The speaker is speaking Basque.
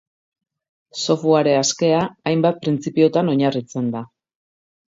Software askea, hainbat printzipiotan oinarritzen da.